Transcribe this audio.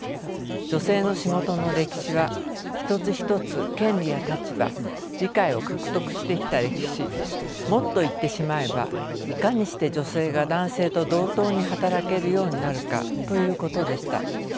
女性の仕事の歴史は一つ一つ権利や立場理解を獲得してきた歴史もっと言ってしまえばいかにして女性が男性と同等に働けるようになるかということでした。